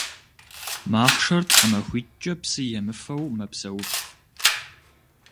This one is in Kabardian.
Махъшэр тхьэмахуитIкIэ псы емыфэу мэпсэуф.